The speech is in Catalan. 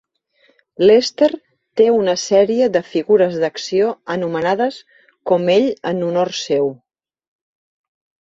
Lester té una sèrie de figures d'acció anomenades com ell en honor seu.